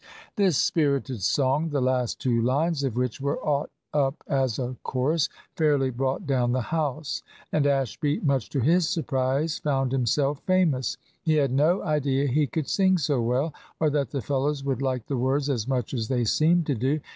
This spirited song, the last two lines of which were aught up as a chorus, fairly brought down the house; and Ashby, much to his surprise, found himself famous. He had no idea he could sing so well, or that the fellows would like the words as much as they seemed to do.